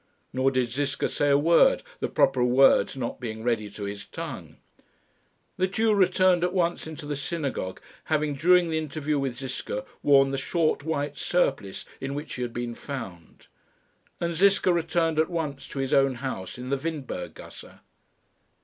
Nor did Ziska say a word, the proper words not being ready to his tongue. The Jew returned at once into the synagogue, having during the interview with Ziska worn the short white surplice in which he had been found; and Ziska returned at once to his own house in the Windberg gasse.